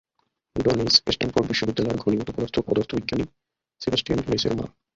ডনিচ Stanford বিশ্ববিদ্যালয়ের ঘনীভূত পদার্থ পদার্থবিজ্ঞানী সেবাস্টিয়ান ডনিচের মা।